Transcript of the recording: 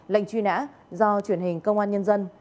lệnh truy nã do truyền hình công an nhân dân